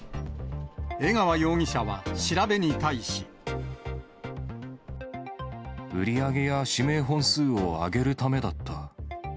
江川容疑者は、調べに対し。売り上げや指名本数を上げるためだった。